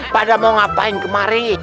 pada mau ngapain kemari